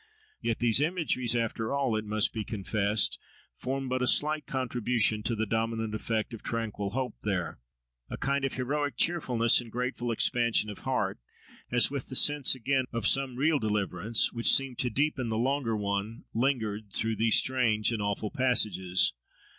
Yet these imageries after all, it must be confessed, formed but a slight contribution to the dominant effect of tranquil hope there—a kind of heroic cheerfulness and grateful expansion of heart, as with the sense, again, of some real deliverance, which seemed to deepen the longer one lingered through these strange and awful passages.